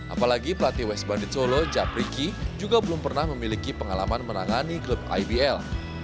apalagi pelatih west bandit solo japriki juga belum pernah memiliki pengalaman menangani klub ibl